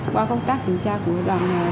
qua công tác kiểm tra của đoàn nhà